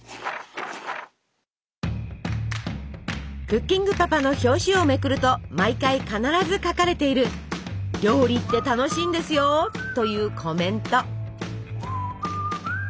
「クッキングパパ」の表紙をめくると毎回必ず書かれている「料理って楽しいんですよー！！」というコメント。